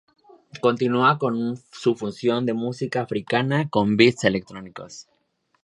Continúa con su fusión de música africana con beats electrónicos.